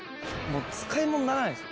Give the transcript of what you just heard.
もう使い物ならないです。